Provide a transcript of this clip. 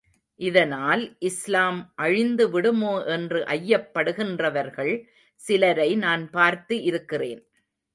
இதனால் இஸ்லாம் அழிந்துவிடுமோ என்று ஐயப்படுகின்றவர்கள் சிலரை நான் பார்த்து இருக்கிறேன்.